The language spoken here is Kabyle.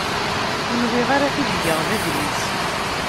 Ur nwiɣ ara ad t-id-geɣ d adlis.